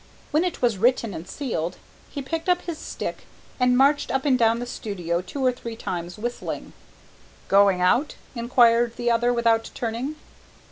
When it was written and sealed, he picked up his stick and marched up and down the studio two or three times, whistling. "Going out?" inquired the other, without turning.